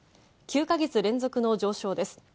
９か月連続の上昇です。